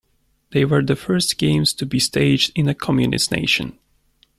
They were the first Games to be staged in a communist nation.